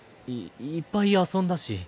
いいっぱい遊んだし。